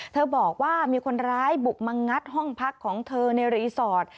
บอกว่ามีคนร้ายบุกมางัดห้องพักของเธอในรีสอร์ท